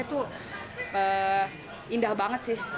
itu indah banget sih